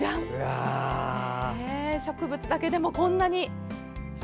植物だけでもこんなに華やかな。